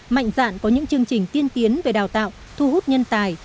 mạnh dạn có những chương trình tiên tiến về đào tạo thu hút nhân tài